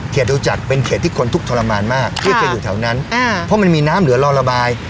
เขตดูจักรเป็นเขตที่คนทุกข์ทรมานมากค่ะเพราะมันมีน้ำเหลือรอระบาย